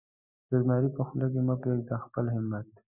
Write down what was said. د زمري په خوله کې مه پرېږده خپل همت.